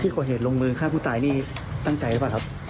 ก่อเหตุลงมือฆ่าผู้ตายนี่ตั้งใจหรือเปล่าครับ